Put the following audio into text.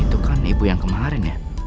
itu kan ibu yang kemarin ya